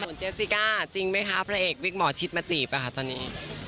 ส่วนเจสสิก้าจริงไหมคะพระเอกวิกหมอชิดมาจีบอะค่ะตอนนี้